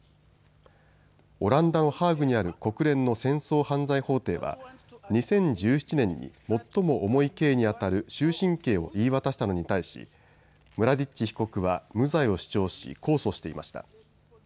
オランダのハーグにある国連の戦争犯罪法廷は２０１７年に最も重い刑にあたる終身刑を言い渡したのに対しムラディッチ被告は無罪を主張し控訴していました。